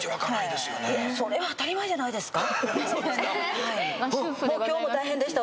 それは当たり前じゃないですか？